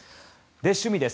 趣味です。